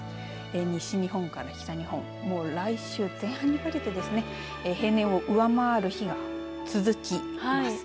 西日本から北日本来週前半にかけてですね平年を上回る日が続きます。